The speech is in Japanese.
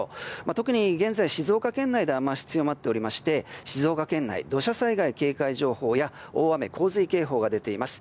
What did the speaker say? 特に現在、静岡県内で雨脚強まっておりまして静岡県内、土砂災害警戒情報や大雨・洪水警報が出ています。